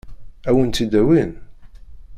Ad wen-tt-id-awin?